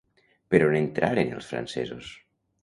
Per on entraren els francesos?